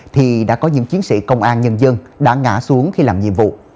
thì đã có những chiến sĩ công an nhân dân đã ngã xuống khi làm nhiệm vụ